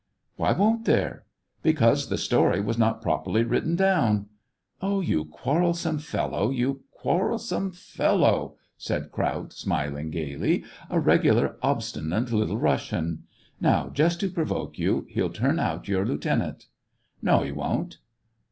" Why won't there }" "Because the story was not properly written down." " Oh, you quarrelsome fellow, you quarrelsome 2IO SEVASTOPOL IN AUGUST. fellow !" said Kraut, smiling gayly ;" a regular obstinate Little Russian ! Now, just to provoke you, he'll turn out your lieutenant." " No, he won't."